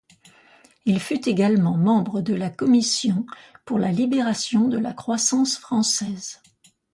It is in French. Il fut également membre de la commission pour la libération de la croissance française.